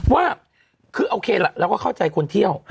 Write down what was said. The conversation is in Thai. ว่าคือโอเคล่ะเราก็เข้าใจคนเที่ยว